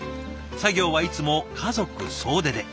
作業はいつも家族総出で。